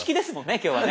今日はね。